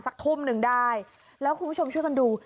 ทุ่มหนึ่งได้แล้วคุณผู้ชมช่วยกันดู